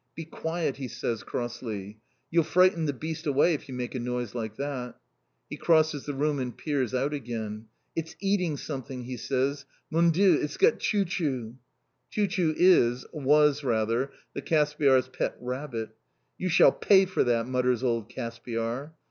"Be quiet," he says crossly. "You'll frighten the beast away if you make a noise like that!" He crosses the room and peers out again! "It's eating something!" he says. "Mon Dieu! It's got Chou chou." Chou chou is was rather, the Caspiar's pet rabbit. "You shall pay for that!" mutters old Caspiar.